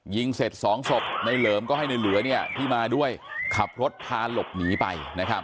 ยิงเสร็จสองศพในเหลิมก็ให้ในเหลือที่มาด้วยขับรถพาหลบหนีไป